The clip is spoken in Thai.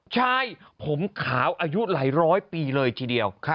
ใช่ผมขาวอายุหลายร้อยปีเลยทีเดียว